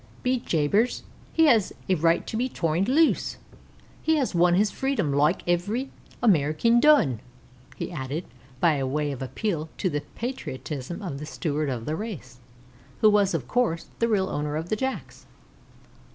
"Be jabers, he has a right to be torned loose. He has won his freedom loike ivery Amerikin done," he added, by way of appeal to the patriotism of the Steward of the race, who was, of course, the real owner of the Jacks.